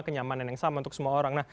kenyamanan yang sama untuk semua orang nah